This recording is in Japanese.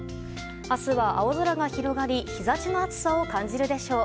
明日は青空が広がり日差しの暑さを感じるでしょう。